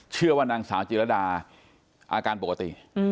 เชื่อว่านางสาวจิรดาอาการปกติ